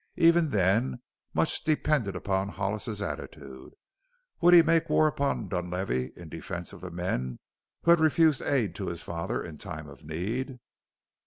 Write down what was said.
Even then much depended upon Hollis's attitude. Would he make war upon Dunlavey in defense of the men who had refused aid to his father in time of need?